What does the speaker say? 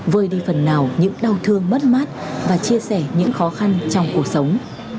vơi đi phần nào những đau thương mất mát và chia sẻ những khó khăn trong cuộc sống